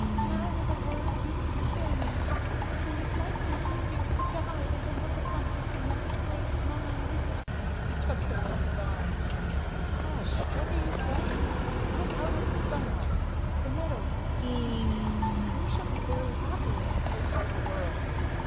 Now with a word you can kill me, and it might be easier to die than to look upon happiness as great as mine." He took her in his arms, "Hush, what are you saying? Look, look out at the sunlight, the meadows and the streams. We shall be very happy in so bright a world."